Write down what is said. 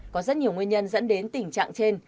có rất nhiều nguyên nhân dẫn đến tình trạng trên